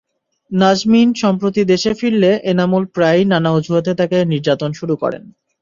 নাজমিন সম্প্রতি দেশে ফিরলে এনামুল প্রায়ই নানা অজুহাতে তাঁকে নির্যাতন শুরু করেন।